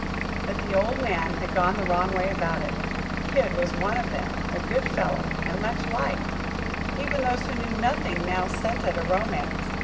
But the old man had gone the wrong way about it. Kid was one of them, a good fellow, and much liked. Even those who knew nothing now scented a romance.